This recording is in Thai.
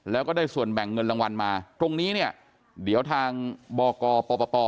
แล้วก็ได้ส่วนแบ่งเงินรางวัลมาตรงนี้เนี่ยเดี๋ยวทางบกปป